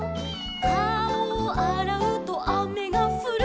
「かおをあらうとあめがふる」